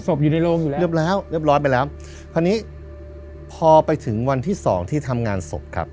อยู่ในโรงอยู่แล้วเรียบร้อยไปแล้วคราวนี้พอไปถึงวันที่สองที่ทำงานศพครับ